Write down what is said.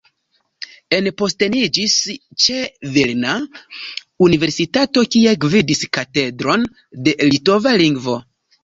Enposteniĝis ĉe Vilna Universitato, kie gvidis Katedron de Litova Lingvo.